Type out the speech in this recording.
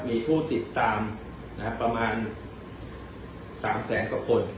มีผู้ติดตามนะครับประมาณสามแสงกว่าคน